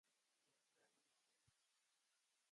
禅智内供の鼻と云えば、池の尾で知らない者はない。